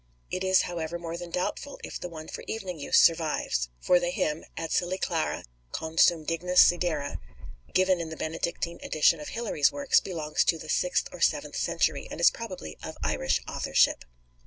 It is, however, more than doubtful if the one for evening use survives; for the hymn, Ad cœli clara non sum dignus sidera, given in the Benedictine edition of Hilary's works, belongs to the sixth or seventh century, and is probably of Irish authorship.